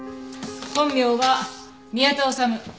本名は宮田修。